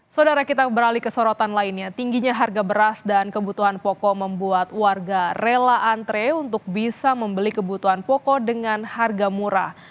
saudara kita beralih ke sorotan lainnya tingginya harga beras dan kebutuhan pokok membuat warga rela antre untuk bisa membeli kebutuhan pokok dengan harga murah